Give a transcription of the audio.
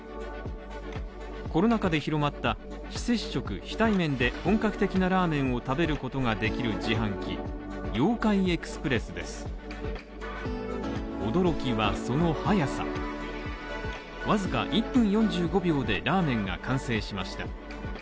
コロナ禍で広まった非接触非対面で本格的なラーメンを食べることができる自販機わずか１分４５秒でラーメンが完成しました。